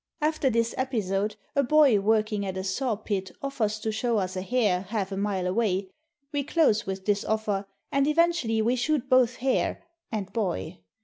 After this episode a boy working at a saw pit offers to show us a hare half a mile away; we close with his offer, and eventually we shoot both hare and boy.